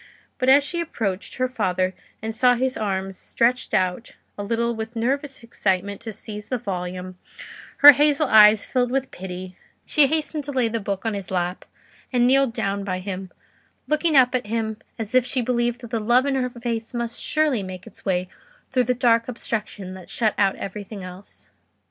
But as she approached her father and saw his arms stretched out a little with nervous excitement to seize the volume, her hazel eyes filled with pity; she hastened to lay the book on his lap, and kneeled down by him, looking up at him as if she believed that the love in her face must surely make its way through the dark obstruction that shut out everything else.